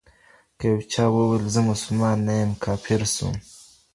که يو چاوويل زه مسلمان نه يم، کافر سو